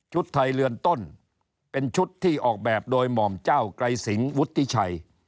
ไทยเรือนต้นเป็นชุดที่ออกแบบโดยหม่อมเจ้าไกรสิงวุฒิชัย